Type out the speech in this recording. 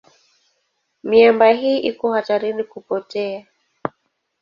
Miamba hii iko hatarini kupotea.